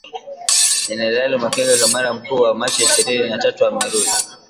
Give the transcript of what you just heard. Jenerali Makenga kamanda mkuu wa Machi ishirni na tatu amerudi